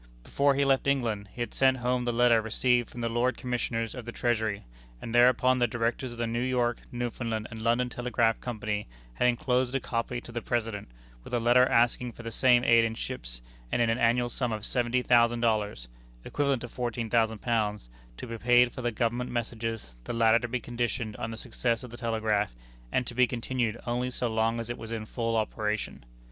Before he left England, he had sent home the letter received from the Lords Commissioners of the Treasury; and thereupon the Directors of the New York, Newfoundland, and London Telegraph Company had inclosed a copy to the President, with a letter asking for the same aid in ships, and in an annual sum of $70,000, [equivalent to £14,000,] to be paid for the government messages, the latter to be conditioned on the success of the telegraph, and to be continued only so long as it was in full operation.